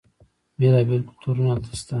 بیلا بیل کلتورونه هلته شته.